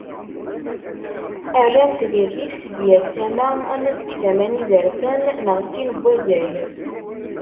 Rran-t di rrif seg yal tama, ama seg tama n yizerfan, neɣ d tin n wazal.